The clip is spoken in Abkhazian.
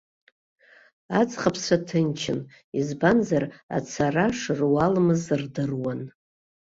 Аӡӷабцәа ҭынчын, избанзар, ацара шыруалымз рдыруан.